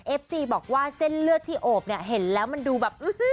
ซีบอกว่าเส้นเลือดที่โอบเนี่ยเห็นแล้วมันดูแบบ